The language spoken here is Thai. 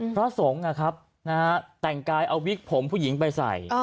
พระสงฆ์นะครับแต่งกายเอาวิกผมผู้หญิงไปใส่